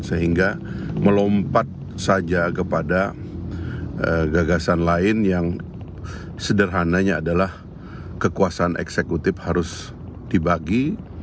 sehingga melompat saja kepada gagasan lain yang sederhananya adalah kekuasaan eksekutif harus dibagi